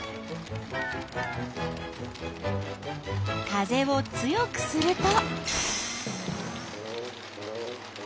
風を強くすると？